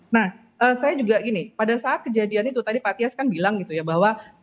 nah saya juga gini pada saat kejadian itu tadi pak tias kan bilang gitu ya bahwa